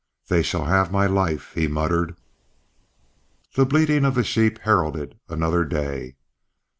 "They shall have my life," he muttered. The bleating of the sheep heralded another day.